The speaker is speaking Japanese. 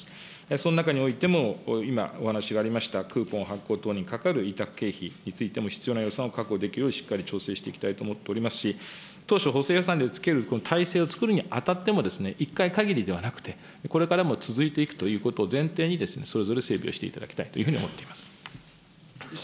その中においても、今お話がありましたクーポン発行等にかかる委託経費についても、必要な予算を確保できるよう、しっかり調整していきたいと思っておりますし、当初、補正予算でつける体制をつくるにあたっても、１回限りではなくて、これからも続いていくということを前提にそれぞれ整備をしていただきたいというふうに思っております。